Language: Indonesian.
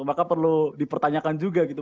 maka perlu dipertanyakan juga gitu